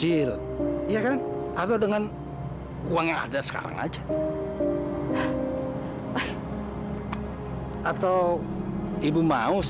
lera keropernya sama ibu aja ya